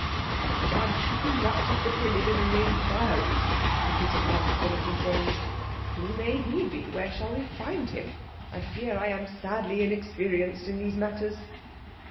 "The judge who conducted the preliminary inquiries," repeated Manske, looking dazed. "Who may he be? Where shall we find him? I fear I am sadly inexperienced in these matters."